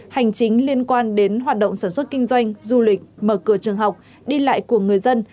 hành chính liên quan đến hoạt động sản xuất kinh doanh du lịch mở cửa trường học đi lại của người dân